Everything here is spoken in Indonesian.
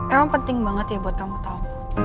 emang penting banget ya buat kamu tahu